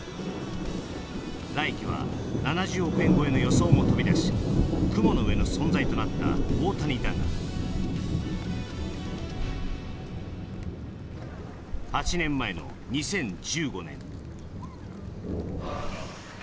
来季は７０億超えの予想も飛び出し、雲の上の存在となった大谷だが、８年前の２０１５年。